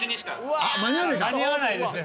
間に合わないですね